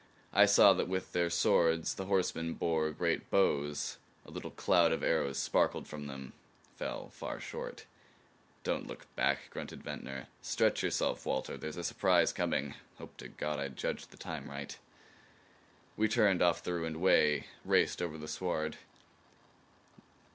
I saw that with their swords the horsemen bore great bows. A little cloud of arrows sparkled from them; fell far short. "Don't look back," grunted Ventnor. "Stretch yourself, Walter. There's a surprise coming. Hope to God I judged the time right." We turned off the ruined way; raced over the sward.